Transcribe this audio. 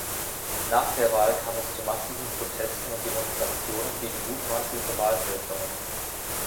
Nach der Wahl kam es zu massiven Protesten und Demonstrationen gegen mutmaßliche Wahlfälschungen.